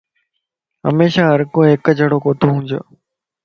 ھميشا ھر ڪو ھڪ جھڙوڪو توھونج